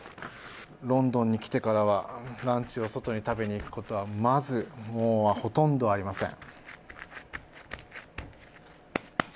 ロンドンに来てからはランチを外に食べに行くことはほとんどありません。